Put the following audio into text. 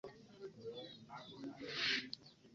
Wagaba ayise mu bannamateeka be aba Kabuusu and Muhumuza